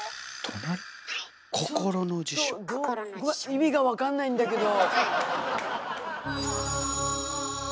意味が分かんないんだけど。